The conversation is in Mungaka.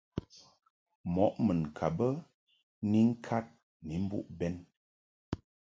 Mɔʼ mun ka bə ni ŋkad ni mbuʼ bɛn.